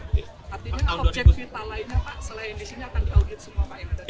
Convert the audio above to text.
artinya obyek vital lainnya pak selain di sini akan diaudit semua pak